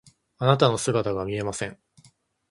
あなたの姿が見えません。